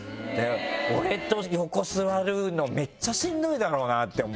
俺と横座るのめっちゃしんどいだろうなって思って。